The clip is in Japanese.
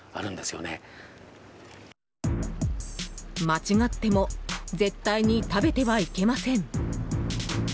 間違っても絶対に食べてはいけません。